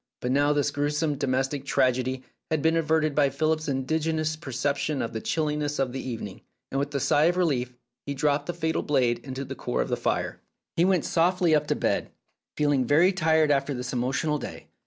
But now this gruesome domestic tragedy had been averted by Philip's ingenious perception of the chilliness of the evening, and with a sigh of relief he dropped the fatal blade into the core of the fire. He went softly up to bed, feeling very tired after this emotional day.